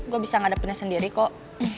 gue bisa ngadepinnya sendiri kok